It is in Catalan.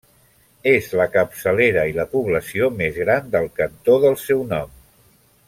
És la capçalera i la població més gran del cantó del seu nom.